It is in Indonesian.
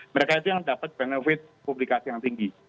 mereka itu yang dapat benefit publikasi yang tinggi